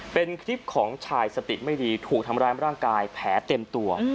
เป็นคลิปของชายสติไม่ดีถูกทำร้ายร่างกายแผลเต็มตัว